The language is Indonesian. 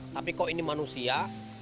tapi kok ini manusia